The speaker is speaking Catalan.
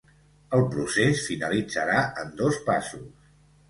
El procés finalitzarà en dos passos.